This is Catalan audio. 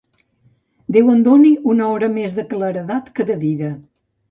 Déu em doni una hora més de claredat que de vida.